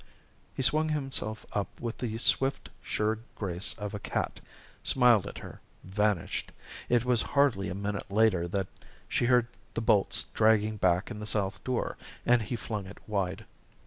He swung himself up with the swift, sure grace of a cat, smiled at her vanished it was hardly a minute later that she heard the bolts dragging back in the south door, and he flung it wide.